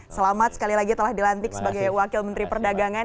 selamat sekali lagi telah dilantik sebagai wakil menteri perdagangan